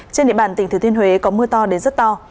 trên địa bàn tỉnh thừa thiên huế có mưa to đến rất to